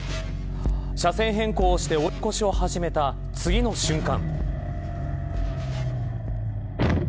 車線変更して追い越しを始めた次の瞬間。